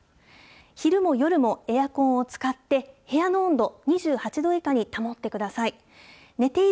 昼も夜もエアコンを使って、部屋の温度、２８度以下に保ってください。